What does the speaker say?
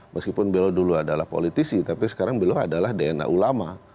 meskipun beliau dulu adalah politisi tapi sekarang beliau adalah dna ulama